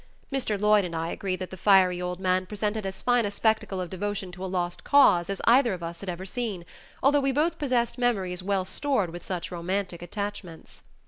Mr. Lloyd and I agreed that the fiery old man presented as fine a spectacle of devotion to a lost cause as either of us had ever seen, although we both possessed memories well stored with such romantic attachments.